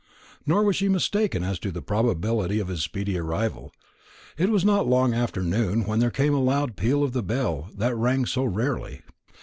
Nor was she mistaken as to the probability of his speedy arrival. It was not long after noon when there came a loud peal of the bell that rang so rarely.